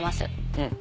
うん。